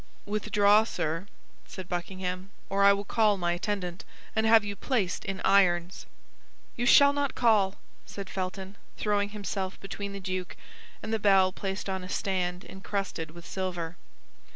"Withdraw, sir," said Buckingham, "or I will call my attendant, and have you placed in irons." "You shall not call," said Felton, throwing himself between the duke and the bell placed on a stand encrusted with silver.